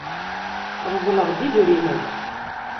Reḍḍleɣ-d idrimen.